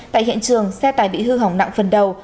tại hiện trường xe tải bị hư hỏng nặng phần đầu